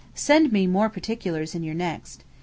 Send me more particulars in your next.